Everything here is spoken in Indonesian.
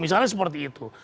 misalnya seperti itu